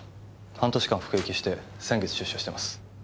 半年間服役して先月出所してます。